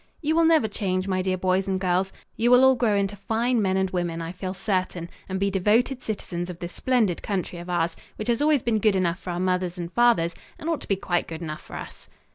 "You will never change, my dear boys and girls. You will all grow into fine men and women, I feel certain, and be devoted citizens of this splendid country of ours, which has always been good enough for our mothers and fathers, and ought to be quite good enough for us."